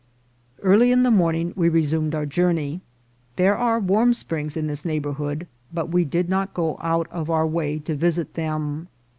Early in the morning we resumed our journey. There are warm springs in this neighbourhood, but we did not go out of our way to visit them.